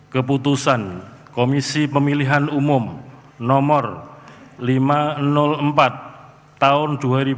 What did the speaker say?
keputusan komisi pemilihan umum nomor lima ratus empat tahun dua ribu dua puluh